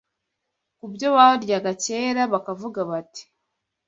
kubyo baryaga kera, bakavuga bati: